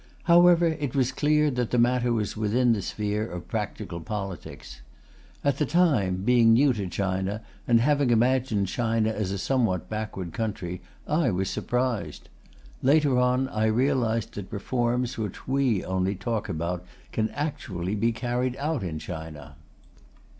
However, it was clear that the matter was within the sphere of practical politics. At the time, being new to China and having imagined China a somewhat backward country, I was surprised. Later on I realized that reforms which we only talk about can be actually carried out in China.